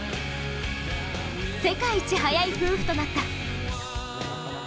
世界一速い夫婦となった。